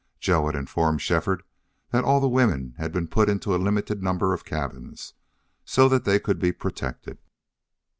Joe had informed Shefford that all the women had been put in a limited number of cabins, so that they could be protected.